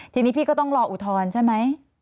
ทีนี้พี่ก็ต้องรออุทธรณ์ใช่ไหม